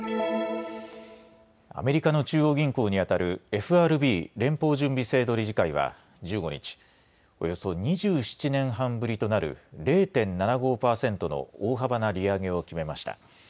アメリカの中央銀行にあたるＦＲＢ・連邦準備制度理事会は１５日、およそ２７年半ぶりとなる０．７５％の大幅な利上げを決めました。